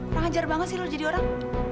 kurang ajar banget sih lo jadi orang